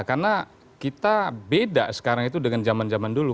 karena kita beda sekarang itu dengan zaman zaman dulu